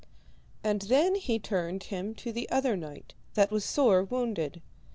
And then he turned him to the other knight, that was sore wounded.